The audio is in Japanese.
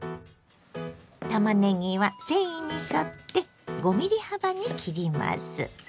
たまねぎは繊維に沿って５ｍｍ幅に切ります。